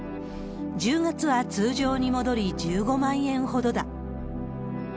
１０月は通常に戻り１５万円ほどだ。